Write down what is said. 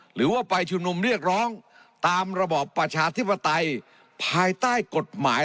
หรือว่าไปชุมนุมเรียกร้องตามระบอบประชาธิปไตย